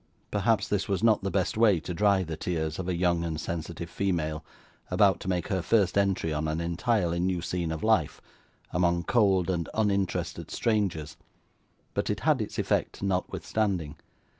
Perhaps this was not the best way to dry the tears of a young and sensitive female, about to make her first entry on an entirely new scene of life, among cold and uninterested strangers; but it had its effect notwithstanding.